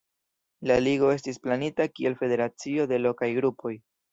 La Ligo estis planita kiel federacio de lokaj grupoj.